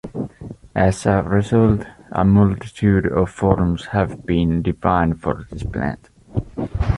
As a result, a multitude of forms have been defined for this plant.